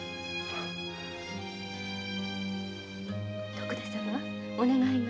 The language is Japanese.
徳田様お願いが。